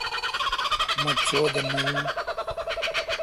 مہ چودہ نہ یون